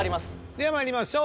ではまいりましょう。